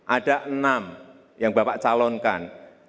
ada enam yang bapak calonkan